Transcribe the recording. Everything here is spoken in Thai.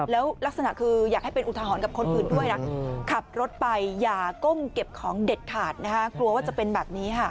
แล้วลักษณะคืออยากให้เป็นอุทหรณ์กับคนอื่นด้วยนะขับรถไปอย่าก้มเก็บของเด็ดขาดนะคะกลัวว่าจะเป็นแบบนี้ค่ะ